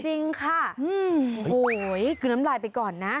จริงค่ะขึ้นน้ำลายไปก่อนนะ